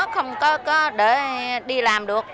không có để đi làm được